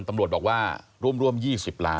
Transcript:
ตำรวจบอกว่าร่วม๒๐ล้าน